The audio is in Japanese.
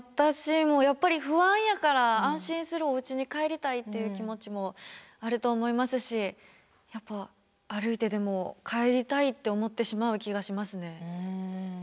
私もやっぱり不安やから安心するおうちに帰りたいっていう気持ちもあると思いますしやっぱ歩いてでも帰りたいって思ってしまう気がしますね。